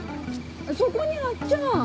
そこにあっちゃ。